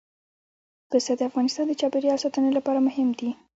پسه د افغانستان د چاپیریال ساتنې لپاره مهم دي.